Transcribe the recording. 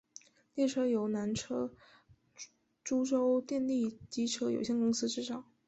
列车由南车株洲电力机车有限公司制造。